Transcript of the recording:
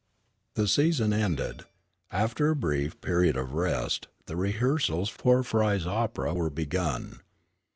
The season ended. After a brief period of rest, the rehearsals for Frye's opera were begun.